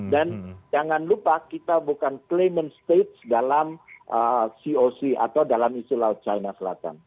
dan jangan lupa kita bukan klaiman state dalam coc atau dalam isu laut cina selatan